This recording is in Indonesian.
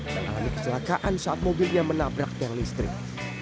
mengalami kecelakaan saat mobil dia menabrak telenetrik